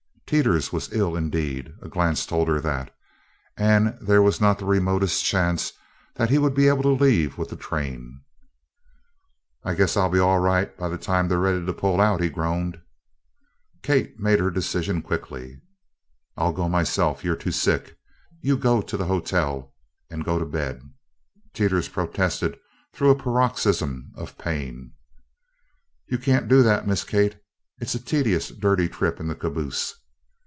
Teeters was ill indeed a glance told her that and there was not the remotest chance that he would be able to leave with the train. "I guess I'll be all right by the time they're ready to pull out," he groaned. Kate made her decision quickly. "I'll go myself. You're too sick. You get to the hotel and go to bed." Teeters protested through a paroxysm of pain: "You can't do that, Miss Kate. It's a tedious dirty trip in the caboose."